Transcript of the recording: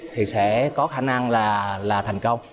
thì sẽ có khả năng là thành công